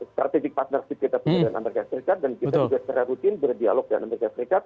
strategic partnership kita punya amerika serikat dan kita juga secara rutin berdialog dengan amerika serikat